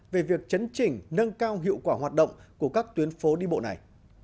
về việc chấn chỉnh nâng cao hiệu quả hoạt động của các tuyến phố đi bộ này